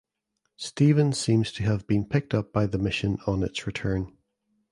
Stephen seems to have been picked up by the mission on its return.